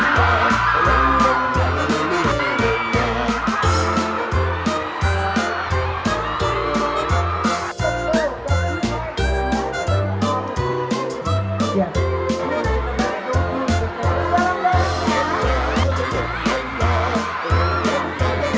แล้วมันเป็นแบบที่สุดท้ายก็คือเพราะว่ามันเป็นแบบที่สุดท้ายก็คือ